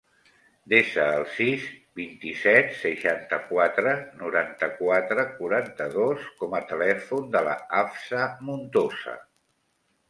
Desa el sis, vint-i-set, seixanta-quatre, noranta-quatre, quaranta-dos com a telèfon de la Hafsa Montosa.